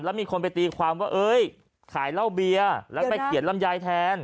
แล้วมีคนไปตีความว่าเอ้ยขายเหล้าเบียร์แล้วไปเขียนลำไยแทน